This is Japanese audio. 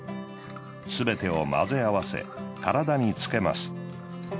すべてを混ぜ合わせ体につけます。